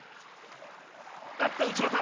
あっと、内股。